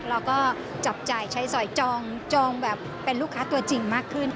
เราก็จับจ่ายใช้สอยจองแบบเป็นลูกค้าตัวจริงมากขึ้น